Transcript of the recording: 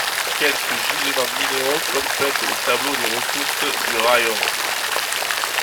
Quelques gisements minéraux complètent le tableau des ressources du raïon.